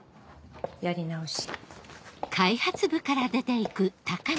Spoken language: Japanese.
やり直し。